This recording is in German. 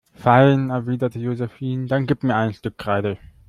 Fein, erwidert Josephine, dann gib mir ein Stück Kreide.